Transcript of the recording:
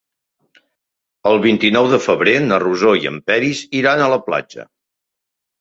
El vint-i-nou de febrer na Rosó i en Peris iran a la platja.